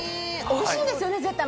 おいしいですよね絶対！